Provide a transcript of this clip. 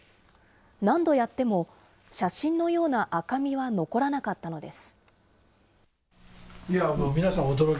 何度やっても、写真のような赤みは残らなかったのです。